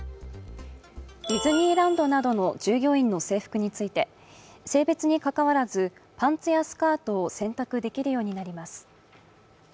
ディズニーランドなどの従業員の制服について性別にかかわらずパンツやスカートを選択できるようになります。